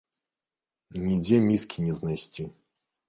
Нідзе міскі не знайсці.